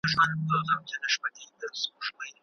تاسو د حضرت عمر بن خطاب پر لاره ولاړ سئ.